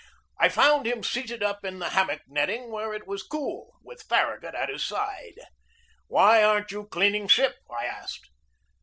I found him seated up in the hammock netting where it was cool, with Far ragut at his side. "Why aren't you cleaning ship?" I asked.